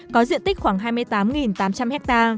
có diện tích khoảng hai mươi tám tám trăm linh ha